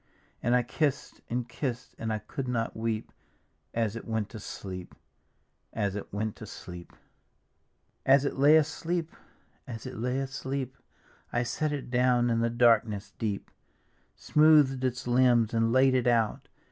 And I kiss'd and kiss'd and I could not weep. As it went to sleep, as it went to sleep, 6 As it lay asleep, as it lay asleep, I set it down in the darkness deep, Smooth'd its limbs and laid it out.